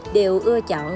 đều ưa chọn